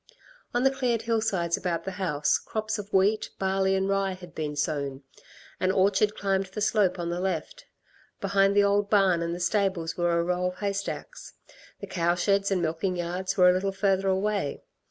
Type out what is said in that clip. On the cleared hillsides about the house, crops of wheat, barley and rye had been sown. An orchard climbed the slope on the left. Behind the old barn and the stables were a row of haystacks. The cowsheds and milking yards were a little further away.